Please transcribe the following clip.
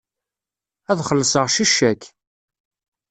Ad xellṣeɣ s ccak.